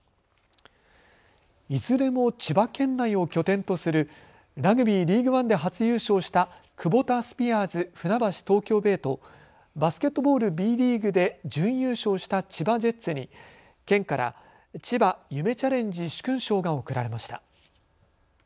いずれも千葉県内を拠点とするラグビー、リーグワンで初優勝したクボタスピアーズ船橋・東京ベイとバスケットボール、Ｂリーグで準優勝した千葉ジェッツに県からちば夢チャレンジ殊勲賞が贈られました。